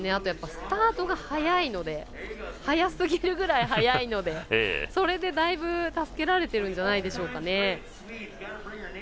スタートが速すぎるぐらい速いのでそれでだいぶ助けられてるんじゃないでしょうかね。